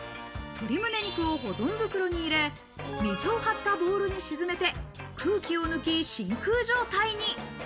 鶏胸肉を保存袋に入れ、水を張ったボウルに沈めて空気を抜き、真空状態に。